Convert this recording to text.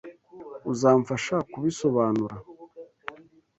Uzamfasha kubisobanura?